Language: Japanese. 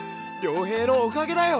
遼平のおかげだよ！